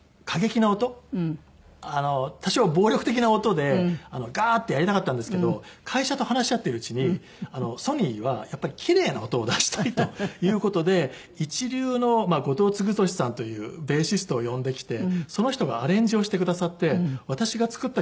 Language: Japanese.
多少暴力的な音でガーッてやりたかったんですけど会社と話し合っているうちにソニーはやっぱり奇麗な音を出したいという事で一流の後藤次利さんというベーシストを呼んできてその人がアレンジをしてくださって私が作った